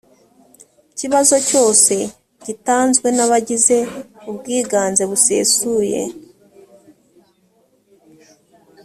kibazo cyose gitanzwe n abagize ubwiganze busesuye